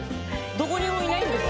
どこにもいないんです。